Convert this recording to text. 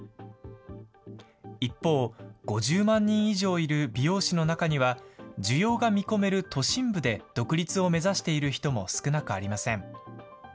一方、５０万人以上いる美容師の中には、需要が見込める都心部で、独立を目指している人も少なくありません。